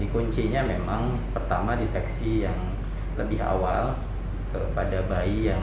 kuncinya memang pertama deteksi yang lebih awal kepada bayi yang